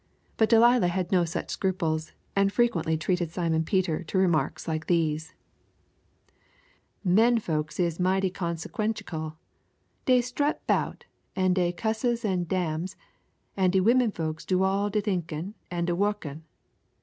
But Delilah had no such scruples, and frequently treated Simon Peter to remarks like these: "Menfolks is mighty consequenchical. Dey strut 'bout, an' dey cusses an' damns, an' de womenfolks do all de thinkin' an' de wukkin'.